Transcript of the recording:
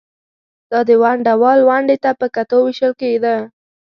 دا د ونډه وال ونډې ته په کتو وېشل کېده